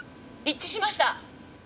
一致しました！